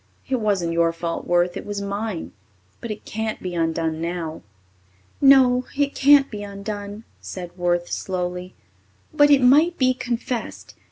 It wasn't your fault, Worth! It was mine. But it can't be undone now." "No, it can't be undone," said Worth slowly, "but it might be confessed.